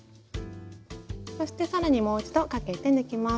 そして更にもう一度かけて抜きます。